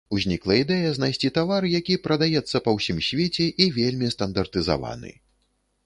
Узнікла ідэя знайсці тавар, які прадаецца па ўсім свеце і вельмі стандартызаваны.